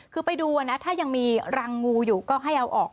คือไปดูนะถ้ายังมีรังงูอยู่ก็ให้เอาออก